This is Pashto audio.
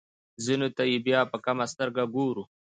ځینو ته یې بیا په کمه سترګه ګورو.